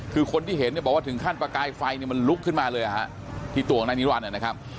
คือคนที่เห็นเนี่ยบอกว่าถึงขั้นประกายไฟเนี่ยมันลุกขึ้นมาเลยที่ตัวของนายนิรันดินะครับ